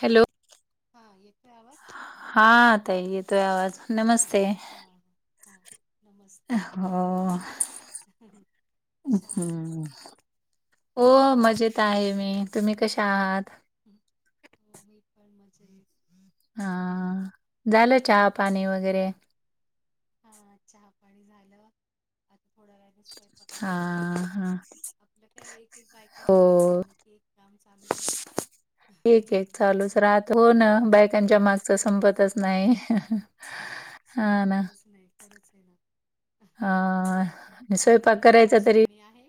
Hello हा येतोय आवाज? हा ताई येतोय आवाज, नमस्ते. हां हा हा नमस्ते हो बोला, कशा आहात? [inaudible] हो मजेत आहे मी, तुम्ही कशा आहात? हो मी पण हा मजेत. झालं चहा पाणी वगैरे? हा चहा पाणी झालं, आता थोड्या वेळाने स्वयंपाकाची हा तयारी. हा आपलं काय एक एक हो बायकांचं एक झालं की एक काम चालूच असतं. ते काय चालूच राहत, हो ना काम करता बायकांच्या करता मागच करायचं संपतच नाही. हा ना संपतच नाही खरच येणार. अ काय स्वयंपाक म्हणताय करायचा पाऊस तरी पाणी आहे?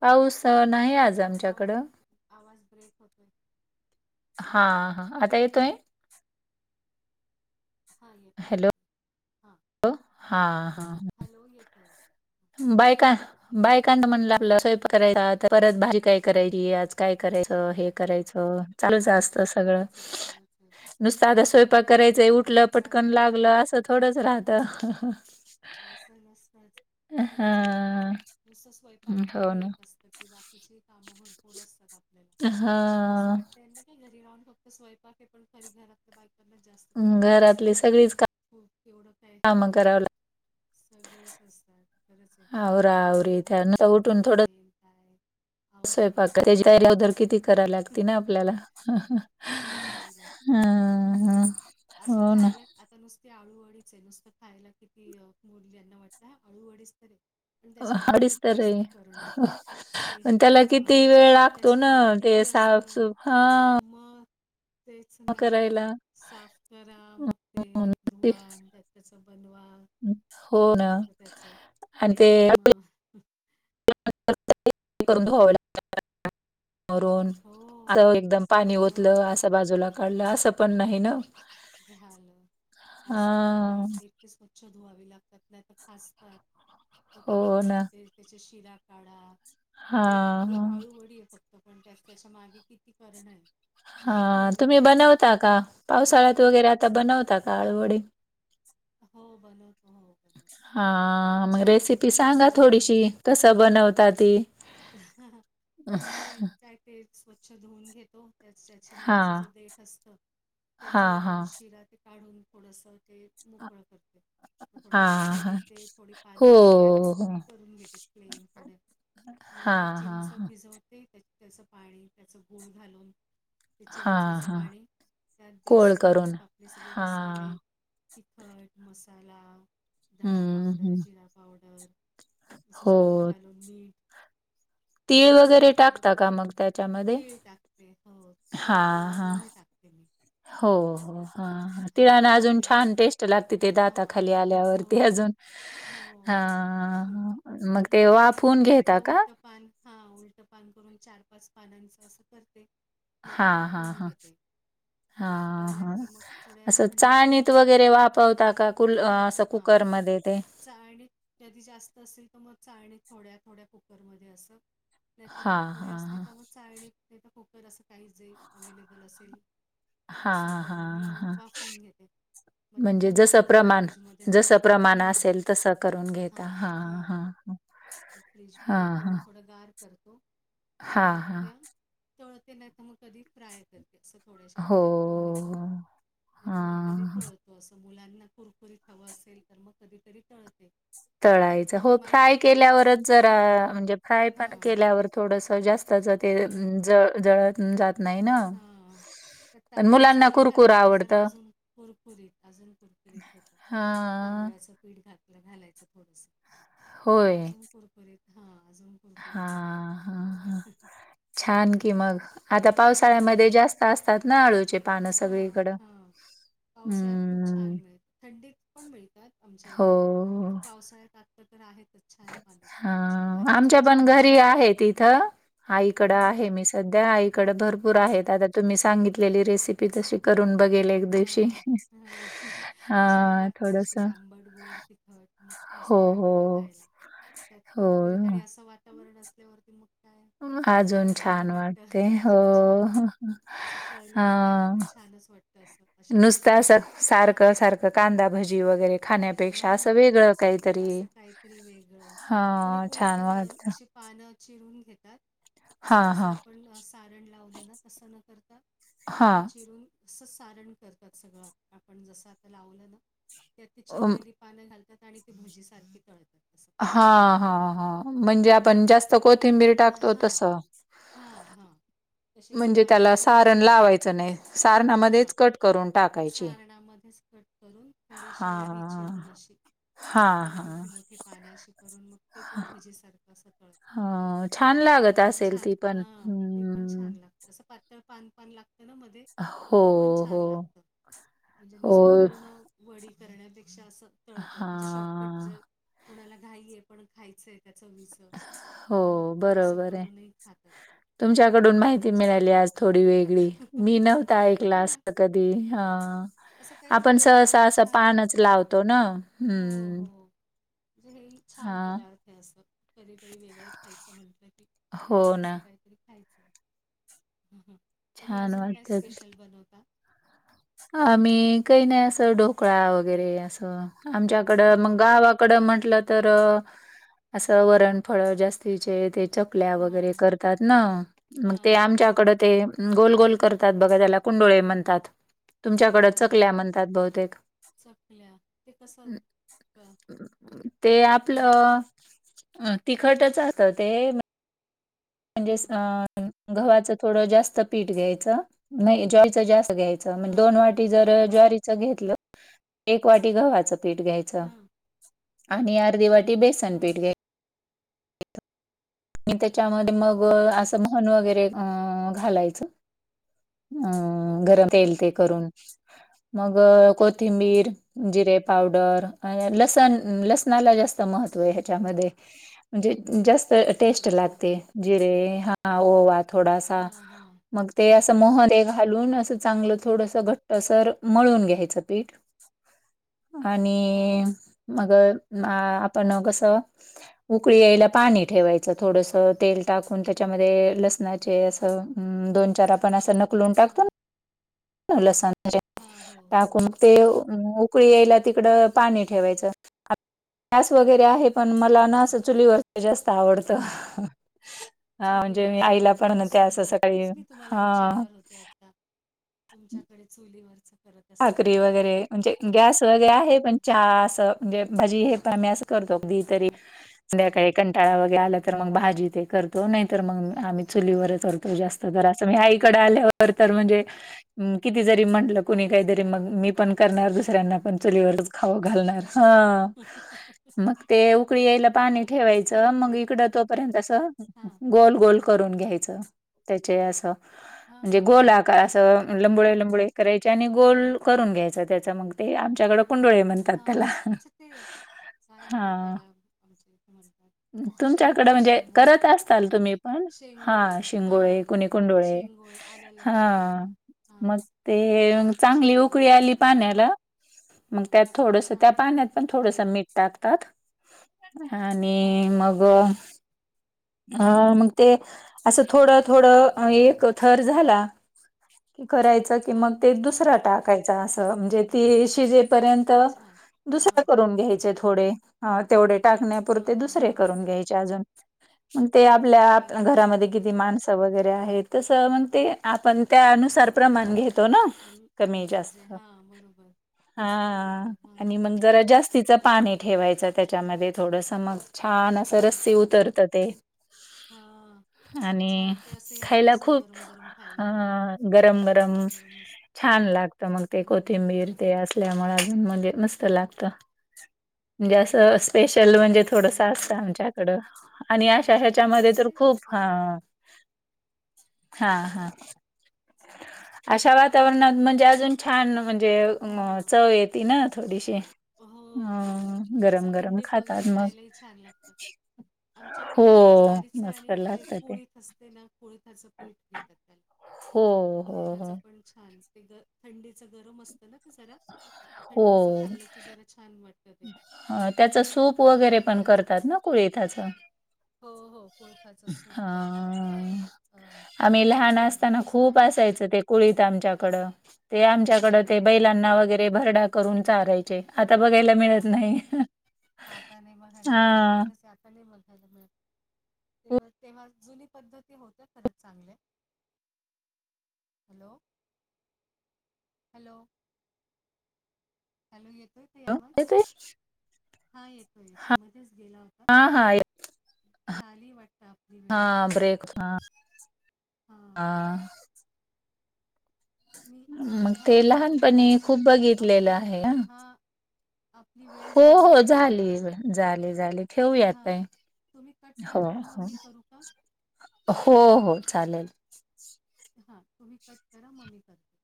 पाऊस तर नाही आज हॅलो, आवाज आमच्याकडं आवाज ब्रेक होतोय. हा हॅलो हा, आता येतोय? हा येतोय. हॅलो हां, हा हा. हॅलो येतोय. येतोय. बायकां बायकांत म्हणल आपला स्वयंपाक करायचा, परत भाजी काय करायची आज काय करायचं? हे करायचं, हो, चालूच असत सगळं. खरंच आहे, खरंच आहे, नुसतं आता स्वयंपाक खरंच. करायचंय उठल सकाळ पटकन झाली नाही लागलं का असं थोडंच राहतं. असं नसतच खरंच आहे ना हा नुसत स्वयंपाक हो थोडी ना एक असत की बा इजीली काम भरपूर असतात आपल्याला, हा ते असं वाटत ना की घरी राहून फक्त स्वयपाक आहे, पण तरी घरातल बायका त्यांना जास्त कामं राहतात, घरातली हो केवढं काय मग कराव ला सगळेच असतात. खरच आहे, आवरा धुणं, आवरी त्या नुसतं भांडी, उठून थोडं कपडे काय स्वयंपाक आवरावरी कर- त्याची तयारी तर किती करायला लागते ना आपल्याला. करावी लागते हा मग अस हो ना खायला. आता नुसती आळूवडीच आहे, नुसतं खायला किती मोडली यांना वाटतं, हा आळूवडीच तर आहे. पन त्याच्या मागे अडीच किती तर असतं करणं, आहे. हे पण त्याला हा किती वेळ लागतो त्याच्या ना मागे ते किती असत साफसूफ हा मग. तेच ना, करायला साफ करा, मग ते म्हणून एक ते धुवा त्या तस बनवा. हो किती ना, लागतं त्याचं. आणि ते. मग करून धुवावे लागतात. [inaudible] वरून हो. एकदम पाणी मग ओतलं आज. बाजूला काढलं असं पण नाही ना. झालं हा असं पण नाही ते. स्वच्छ धुवावी लागतात, नाही तर टासतात हो किती ना त्याच तेज. त्याच्या शिरा काढा, हा एक-एक हा आळू वडी आहे फक्त. पण त्यास-त्याच्या मागे किती करणं आहे. हा यांना तुम्ही काय लागतं? बनवता का, पावसाळ्यात वगैरे आता बनवता का हां. आळुवडी. हो बनवतो हो. बनवतो. हा आता मग छान येतात रेसिपी ना पानं सांगा थोडीशी, मोठी-मोठी? कसं बनवता ती. मी काय ते स्वच्छ धुवून घेते. त्याचा हा मागच जे देट असत, हा हा त्या शिरा काढून थोडसं ते मोकळं करते. म थोडे हा लाटण्याने हा ते थोडी हो पानं अशी हो करून घेते, प्लेन थोडे. मग त्या हां, हां, चिंच हां. भिजवते, त्याचं पाणी त्याचं गुळ घालून. ते हां, चिंचेचं हां. पाणी, त्यात कोळ बेसन करून. मग आपले सगळे मसाले. हां. तिखट मसाला, धना हं, पावडर, हं. जिरा पावडर. तसं हो. सगळं घालून मीठ. तीळ हे सगळ वगैरे एकत्र टाकता का करून, मग त्याच्यामध्ये? तिळ टाकते, हो तिळ, हां, ओवा, हां. दोन्ही टाकते. मी. हो, हो, आणि हं मग हा तिळांन मग अजून ते छान टेस्ट लागते. तिथे हा दाताखाली अ, हो आल्यावरती ते अजून. हो हा, मग ते त्या एक वाफवून एक उलट घेता का? उलट पान हा उलट पान करून, चार-पाच पानांचं असं करते. मग हा, ते हा, वाफवून हा. घेते हा वाफवल्या हा की मग थोड्या असं थंड करून चाळणीत मग वगैरे वाफवता का. कुल हा असं हा कुकरमध्ये ते. चाळणीत कधी जास्त असेल तर, मग चाळणी थोड्या-थोड्या कुकरमध्ये अस. नाही तर मग, हां, थोड्या हां, असली हां. तर मग चाळणीत नाही तर कुकर असं काही जे अवेलेबल असेल तस हां, करून हां, हां. लावून-वाफून घेते, मग ते थंड करते फ्रीजमध्ये ठेवून. पान हम्म असेल तस, करून घेता हां हां ह ह. फ्रीजमध्ये ठेवून थोडं गार करतो आणि मग हां, हां. हां. त्या तळते नाही तर मग कधी फ्राय करते असं थोड्याश्या हो, तेलात फोंडणी करून नाही तर मग कधी हां. तळतो असं मुलांना कुरकुरीत हवं असेल तर मग कधीतरी तळते. त्यात तळायच मग हो मला फ्राय आत्ता केल्यावर जरा हां म्हणजे फ्राय पण हां केल्यावर थोडस जास्तच ते ज जळत जात नाही ना. हं..... त्यात पण तांदळाचं मुलांना पीठ कुरकुर घातलं की जरा आवडतं. अजून कुरकुरीत अजून कुरकुरीत होता. हां, तांदळाचं पीठ घातलं घालायचं थोडस मग अजून कुरकुरीत हा अजून हा कुरकुरीत होतं हा हा छान हं. की मग आता हो पावसाळ्यामध्ये ना. जास्त असतात ना अळूचे पानं हां, सगळीकडं. हां. पावसाळ्यात खूप हम्म. छान मिळत थंडीत पण मिळतात आमच्या हो इथे पावसाळ्यात त्यात तर आहेतच छान पानं हा आळूचे भाजीचही आमच्या पण छान घरी वाटत. आहेत इथं आईकडं आहे मी सध्या आईकडं भरपूर हां, आहेत आता तुम्ही सांगितलेली रेसिपी तशी करून बघेल ए दिवशी हां, हां. छान हां लागते थोडस. अशी आंबट, गोड तिखट हो मस्त वाट हो ते खायला त्यात हो कुरकुरीत आणि अस वाट वातावरण असल्यावर तर मग काय अजून खूपच छान वाटते वाटत हो अजून छान असं तळलेल्या खायला तर छानच वाट नुसत असं सारखं सारखं कांदा भजी वगैरे खाण्या पेक्षा असं हां. वेगळं काहीतरी असं काहीतरी वेगळं हा कुणी कुणी छान तर अ, वाटत. अशी पानं चिरून घेतात. हा आता जसं हा आपण सारण लावलं ना तसं न करता पान हा चिरून असं सारण करतात सगळं आपण जसं आता लावलं ना त्यात ती चिरलेली पानं घालतात आणि ती भजी सारखी तळतात. असं कोणी हा कोणी ते हा पण हा करतात म्हणजे आपण जास्त कोथिंबीर टाकतो तस. हा हं तशी ती पानं त्याला थोडी उभी सारण उभी लावायचं नाही. हा सारणामध्येच कट करून टाकायची. सारणामध्येच कट करून थोडीशी उभी चिरून हां, अशी हां, थोडी हां. मोठी मोठी पान पानं अशी करून मग ते पण भजीसारखं असं हं, छान ते लागत पण असेल ती छान पण. हं. ते पण हं. छान लागते असं पातळ पान पान लाग तेणा मध्ये हो, ते पण हो, छान लागत म्हणजे नुस हो. पूर्ण वडी करण्यापेक्षा असं तळतात म्हणजे शॉर्टकट हां. जर कुणाला घाई हे पण खायचंय. त्या चविचं हो, तर मग असं बरोबर आहे. करूनही खातात ते मग तुमच्याकडून ते पण माहिती छान मिळाली आज थोडी वेगळी मी नव्हत ऐकलं हा ना असं कधी हं असं काहीतरी आपण वेगळं सहसां असं छान पानचं वाटतं लावतो ना. हो हो हं. म्हणजे हे छान हां. पदार्थ आहे असं कधीतरी वेगळं खायचं म्हटलं की हो ना. असं काय तरी खायचं तुम्ही छान अजून काय वाटतं ते. स्पेशल बनवता. आम्ही काही नाही असं ढोकळा वगैरे असं आमच्याकड मग हां गावा कड म्हटलं तर असं वरणफळं जास्तीचे ते च चकल्या हां वगैरे करतात ना मग हां ते हां आमच्याकड हां ते गोल गोल करतात बघा त्याला कुंडोळे म्हणतात. तुमच्याकडं चकल्या कोंडुळे म्हणतात बहुतेक चकल्या ते कसं अ, ते म्हणजे आपलं अ तिखटच असतं ते म्हणजे हां अ गव्हाचं थोडं जास्त पीठ घ्यायचं नाही, ज्वारीचं जास्त घ्याय च म्हणजे हां दोन वाटी जर ज्वारीच घेतलं, एक वाटी गव्हाचं पीठ घ्यायचं. हां आणि अर्धी वाटी बेसन हां पीठ घ्या त्या हां मग असं मोहन वगैरे अ घालायचं. अ गरम तेल हां ते करून, मग हां कोथिंबीर जिरे पावडर, लसण लसणाला जास्त महत्त्व आहे ह्याच्यामध्ये. म्हणजे जास्त टेस्ट अच्छा लागते, जिरे हा ओवा थोडासा हां हां मग ते असं मोहन ते घालून हां अस. चांगलं थोडस घट्ट सर मळून घ्यायचं पीठ. आणि हां अ मग आपण कसं? उकळी यायला पाणी ठेवायचं थोडस, तेल टाकून त्याच्यामध्ये लसणाचे अस दोन चार आपण असं नकलून हां टाकतो ना. लसंन च हां हो हो टाकून ते उकळी यायला तिकड पाणी ठेवायचंस वगैरे आहे. पण मला ना, असं अच्छा चुलीवरच जास्त आवडतं. हा म्हणजे मी चुलीवरच तर आईला पण खूपच म्हणते असं सुंदर आहे. सकाळी तेच मी तुम्हाला हा विचारणार होते आता. तुमच्याकडे चुलीवरच भाकरी वगैरे म्हणजे गॅस वगैरे आहे पण हा असं म्हणजे भाजी हे पाम अस तो अगदी तरी हां संध्याकाळी कंटाळा वगैरे आला तर, मग अरे वा भाजी ते कर तो नाही तर, मग आम्हीत चुलीवरच करतो जास्त मिळर असं मी आईकडे आल्यावर तर म्हणजे किती जरी म्हंटलं? कुणी खरंच आहे काहीतरी ना मग मी पण करणार दुसऱ्यांना पण चुलीवरच खावू घालणार. हा. मग ते उकळी यायला हा पाणी ना ठेवायचं, खरंच मग आहे इकडं तोपर्यंत असं हां गोल गोल करून घ्यायच, त्याचे हे आस हां म्हणजे हां हां गोलाकार अस लंबुळे लंबुळे कराय चे नी गोल हां करून घ्यायचा त्याचा, मग ते आमच्याकड कुंडळे हा हा, अच्छा ते काय बर त्याला आमच्या इथे म्हणतात? तुमच्याकडे शेंगोळे म्हणजे शेंगोळे करत असताल तुम्ही पण, शेंगोळे हा शिंगोळे हां कुणी कुंडूळे शेंगोळे आलं हा लक्षात आता म हां ते ते चांगली शेंगोळे उकळी आली करतात हां पाण्याला मग त्यात थोडस, त्या हां पाण्यात पण थोडस मीठ टाकतात. हां आणि मग अ मग ते आसं थोडं थोडं एक थर झाला की, करायचं की मग हां ते दुसरा टाकायचा अस म्हणजे ते शीजेपर्यंत अच्छा हां दुसरा करून घ्यायचे. थोडे, तेवढे हां, टाकण्यापुरते हां, दुसरे हां. करून घ्यायचे अजून. मग ते आपल्या अरे वाह! घरामध्ये किती माणस वगेरे आहेत, तस मग ते आपण त्यानुसार प्रमाण घेतो ना? अन कमी जास्त अंदाजे. हां, बरोबर, हा बरोबर. हां, आणि मग जरा जास्तीच पाणी ठेवायचं त्याच्यामध्ये थोडस मग. छान अस रसी उतरत ते. हा. आणि खायला खूप गरम-गरम अ खायला. गरम गरम गरम-गरम मस्त. छान लागत, मग ते हो ना. कोथिंबीर ते असल्यामुळे अजून म्हणजे मस्त लागत. म्हणजे अरे वाह! असं स्पेशल अशा वा म्हणजे थोडस असतं थंडीमध्ये आमच्याकडं, आणि आमच्याकडे अश्यायाच्यामध्ये कसं तर आहे खूप ह ते हा काय? हा अशा वातावरणात म्हणजे अजून छान म्हणजे. म्हणजे हां. चव येती ना थोडीशी. हो, हो. हम असं गरम गरम थंडीत वगैरे खातात मग. खायलाही छान लागतं. हो आमच्याकडे ज्वारीच मस्त आणि ते लागत कोळीथ असते ना कोळीथाचं पीठ घेतात त्याला, हो कोळथ्याच हो पण छान ते ग थंडीच गरम असतं ना का जरा थंडीचं खाल्लं ते जरा छान वाटतं. ते ह त्याच सूप वगैरे पण कोळथाचं करतात पीठ ना कुळींथाच हो हो कोळीथांच सूप करतात. अ, आम्ही ते पण लहान छान असताना लागतं असं आ- खूप असायच ते- कुळीत आमच्याकड ते आमच्याकड ते हो का बैलांना वगैरे भरडा, करून चालायचे आता बघाय हा हा आता नाही बघायला मिळत हा खरंच आता नाही बघायला मिळत. ते तेव्हा जुनी पद्धती होते खरंच चांगल्या. Hello hello! हॅलो येतोय येतोय. हा येतोय येतो मध्येच गेला होता. हा हा झाली वाटतं आपली वेळ, हा ब्रेक हा हां हा.. मी मग हां ते हॅलो लहानपणी खूप बघितलेलं आपली आहे ह. हां आपली वेळ हो झाली हो वाटतं ताई. झाली झाले झाले. ठेऊयात् ताई हां. तुम्ही कट करा हो मग हो. मी करू का? हो हो चालेल. हा तुम्ही कट करा मग म मी करते.